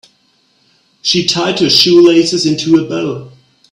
She tied her shoelaces into a bow.